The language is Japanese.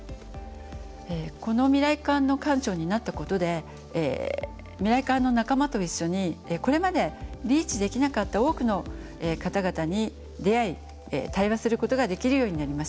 この未来館の館長になったことで未来館の仲間と一緒にこれまでリーチできなかった多くの方々に出会い対話することができるようになりました。